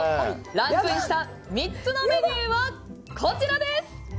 ランクインした３つのメニューはこちらです！